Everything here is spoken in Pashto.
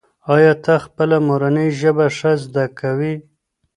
ایا ته خپله مورنۍ ژبه ښه زده کوې؟